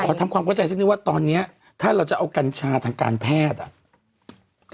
ทำความเข้าใจสักนิดว่าตอนนี้ถ้าเราจะเอากัญชาทางการแพทย์อ่ะ